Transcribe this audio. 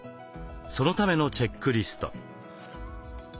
そのためのチェックリスト。